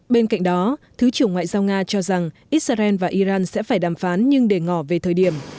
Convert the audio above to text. bên cạnh đó thứ trưởng ngoại giao nga cho rằng israel và iran sẽ phải đàm phán nhưng để ngỏ về thời điểm